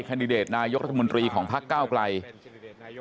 ดิเดตนายกรัฐมนตรีของพักเก้าไกล